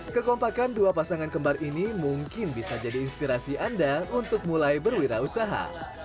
kekompakan dua pasangan kembar ini mungkin bisa jadi inspirasi anda untuk mulai berwirausaha